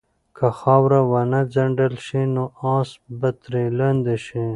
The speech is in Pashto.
که خاوره ونه څنډل شي نو آس به ترې لاندې شي.